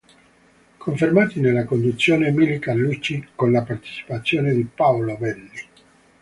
Confermati nella conduzione Milly Carlucci con la partecipazione di Paolo Belli.